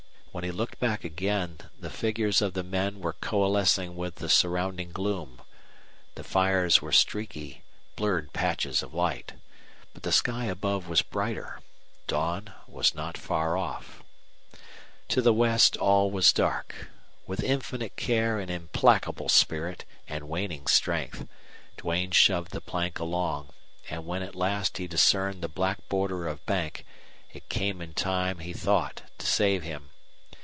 When he looked back again the figures of the men were coalescing with the surrounding gloom, the fires were streaky, blurred patches of light. But the sky above was brighter. Dawn was not far off. To the west all was dark. With infinite care and implacable spirit and waning strength Duane shoved the plank along, and when at last he discerned the black border of bank it came in time, he thought, to save him.